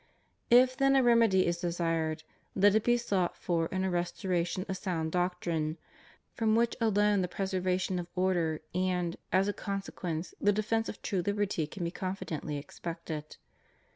If then a remedy is desired, let it be sought for in a restoration of sound doctrine, from which alone the preservation of order and, as a consequence, the defence of true hberty can be con fidently expected.